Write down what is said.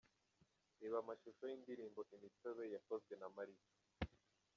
Reba amashusho y’indirimbo "Imitobe" yakozwe na Ma-Riva:.